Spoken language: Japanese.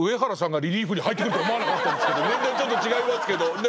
年代ちょっと違いますけどね。